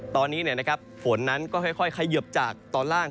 ตอนนี้ฝนนั้นก็ค่อยเขยิบจากตอนล่าง